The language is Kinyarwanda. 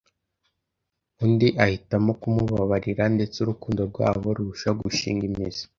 undi ahitamo kumubabarira ndetse urukundo rwabo rurushaho gushinga imizi.